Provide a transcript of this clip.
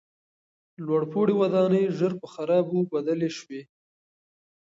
لوړپوړي ودانۍ ژر په خرابو بدلې سوې.